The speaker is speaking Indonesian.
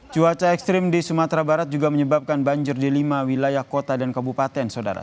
cuaca ekstrim di sumatera barat juga menyebabkan banjir di lima wilayah kota dan kabupaten saudara